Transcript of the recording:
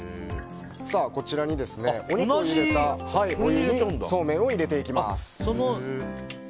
こちらにお肉を入れた同じお鍋にそうめんを入れていきます。